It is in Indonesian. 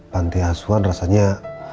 panti asuhan rasanya